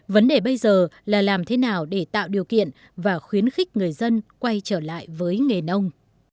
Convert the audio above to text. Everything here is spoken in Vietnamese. vấn đề bây giờ là làm thế nào để tạo điều kiện và khuyến khích người dân quay trở lại với nghề nông